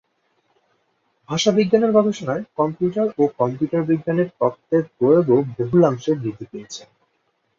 ভাষাবিজ্ঞানের গবেষণায় কম্পিউটার ও কম্পিউটার বিজ্ঞানের তত্ত্বের প্রয়োগও বহুলাংশে বৃদ্ধি পেয়েছে।